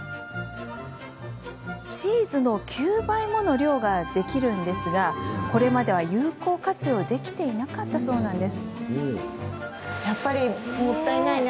チーズの９倍もの量ができるんですがこれまでは有効活用できなかったそうなんです。